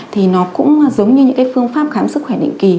thì nó cũng giống như những cái phương pháp khám sức khỏe định kỳ